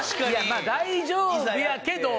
まぁ大丈夫やけど。